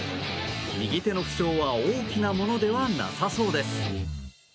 右手の負傷は大きなものではなさそうです。